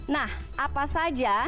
nah apa saja